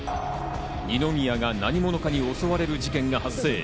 二宮が何者かに襲われる事件が発生。